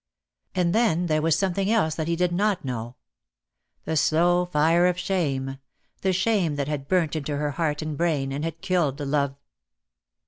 And then there was something else that he did not know; the slow fire of shame, the shame that had burnt into her heart and brain, and had killed love.